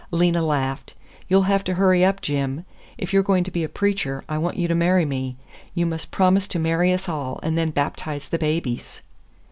Lena laughed. "You'll have to hurry up, Jim. If you're going to be a preacher, I want you to marry me. You must promise to marry us all, and then baptize the babies."